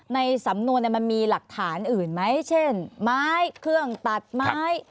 ในสำนวนมันมีหลักฐานอื่นไหมเช่นไม้เครื่องตัดไม้